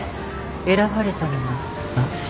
選ばれたのは私。